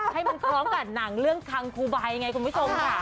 ให้มันพร้อมกับหนังเรื่องคังครูบายไงคุณผู้ชมค่ะ